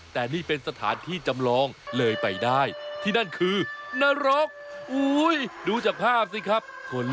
แต่นี่เป็นสถานที่จำลองเลยไปได้ที่นั่นคือนรกดูจากภาพสิครับ